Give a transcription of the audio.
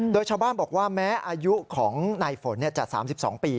โดยชาวบ้านบอกว่าแม้อายุของในฝนจะ๓๒ปี